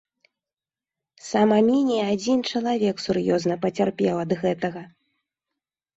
Сама меней адзін чалавек сур'ёзна пацярпеў ад гэтага.